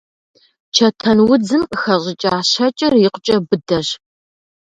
Чэтэнудзым къыхэщӀыкӀа щэкӀыр икъукӀэ быдэщ.